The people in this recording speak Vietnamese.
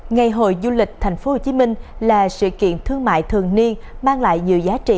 ngày hội du lịch tp hcm là sự kiện thương mại thường niên mang lại nhiều giá trị